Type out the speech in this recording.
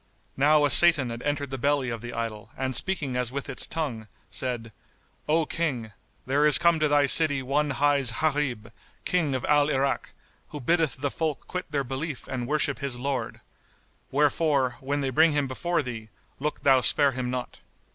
Now a Satan had entered the belly of the idol and speaking as with its tongue, said, "O King, there is come to thy city one hight Gharib, King of Al Irak, who biddeth the folk quit their belief and worship his Lord; wherefore, when they bring him before thee, look thou spare him not."